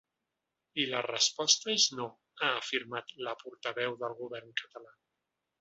I la resposta és no, ha afirmat la portaveu del govern català.